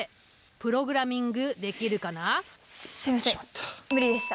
すみません無理でした！